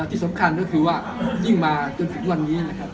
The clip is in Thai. ที่สำคัญก็คือว่ายิ่งมาจนถึงวันนี้นะครับ